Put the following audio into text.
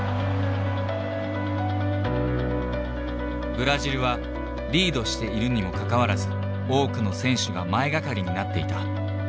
ブラジルはリードしているにもかかわらず多くの選手が前がかりになっていた。